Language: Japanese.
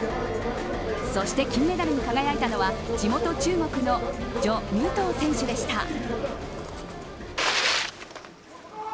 そして金メダルに輝いたのは地元中国の除夢桃選手でした。